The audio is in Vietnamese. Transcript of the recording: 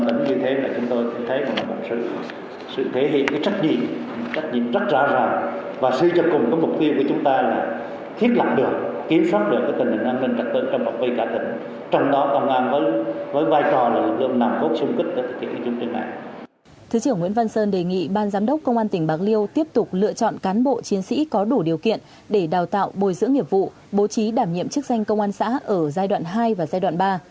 phát biểu chỉ đạo tại buổi lễ thứ trưởng nguyễn văn sơn đánh giá cao những thành tích mà công an tỉnh bạc liêu đã đạt được